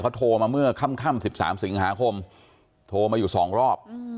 เขาโทรมาเมื่อค่ำ๑๓สิงหาคมโทรมาอยู่๒รอบ